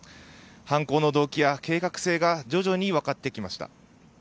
犯行の動機や計画性が徐々に分かってきました。